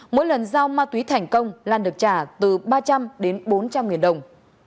mỗi lần giao ma túy thành công lan được trả từ ba trăm linh đến bốn trăm linh nghìn đồng